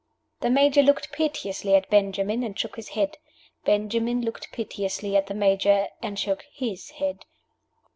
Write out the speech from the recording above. The Major looked piteously at Benjamin, and shook his head. Benjamin looked piteously at the Major, and shook his head.